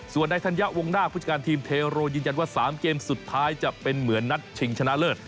ส่วนในธัญญะวงนาคผู้จัดการทีมเทโรยืนยันว่า๓เกมสุดท้ายจะเป็นเหมือนนัดชิงชนะเลิศ